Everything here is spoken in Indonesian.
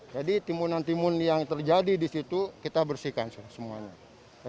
jadi timunan timun yang terjadi di situ kita bersihkan semuanya